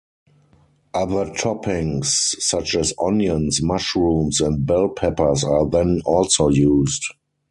Other toppings such as onions, mushrooms and bell peppers are then also used.